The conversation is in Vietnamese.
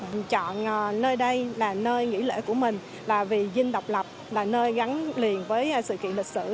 mình chọn nơi đây là nơi nghỉ lễ của mình là vì dinh độc lập là nơi gắn liền với sự kiện lịch sử